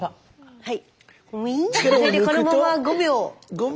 はい。